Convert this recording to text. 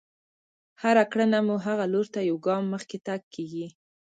هره کړنه مو هغه لور ته يو ګام مخکې تګ کېږي.